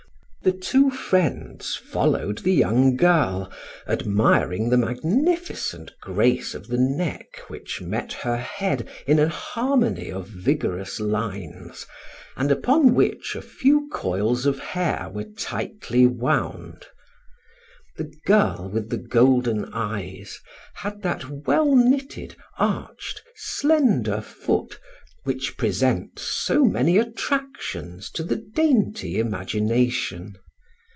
The two friends followed the young girl, admiring the magnificent grace of the neck which met her head in a harmony of vigorous lines, and upon which a few coils of hair were tightly wound. The girl with the golden eyes had that well knitted, arched, slender foot which presents so many attractions to the dainty imagination.